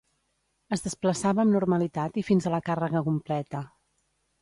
Es desplaçava amb normalitat i fins a la càrrega completa.